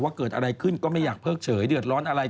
เกิดอะไรขึ้นก็ไม่อยากเพิกเฉยเดือดร้อนอะไร